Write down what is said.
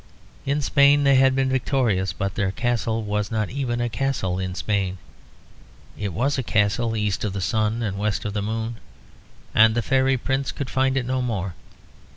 In Spain they had been victorious; but their castle was not even a castle in Spain. It was a castle east of the sun and west of the moon, and the fairy prince could find it no more.